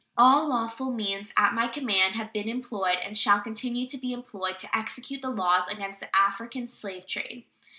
All lawful means at my command have been employed, and shall continue to be employed, to execute the laws against the African slave trade.